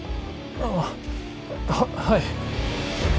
あぁ。ははい。